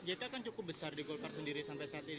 jt kan cukup besar di golkar sendiri sampai saat ini